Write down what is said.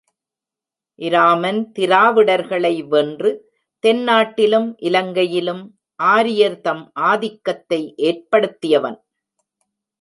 இராமன் திராவிடர்களை வென்று, தென்னாட்டிலும் இலங்கையிலும் ஆரியர் தம் ஆதிக்கத்தை ஏற்படுத்தியவன்.